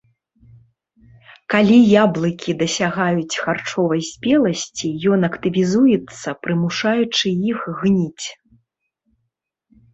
Калі яблыкі дасягаюць харчовай спеласці, ён актывізуецца, прымушаючы іх гніць.